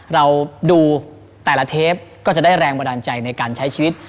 เราดูแต่ละเทปก็จะได้แรงบันดาลใจในการใช้ชีวิต